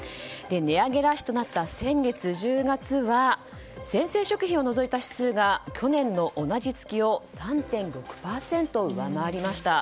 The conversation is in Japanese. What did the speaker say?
値上げラッシュとなった先月１０月は生鮮食品を除いた指数が去年の同じ月を３．６％上回りました。